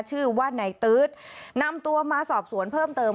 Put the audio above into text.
ชื่อว่านายตื๊ดนำตัวมาสอบสวนเพิ่มเติม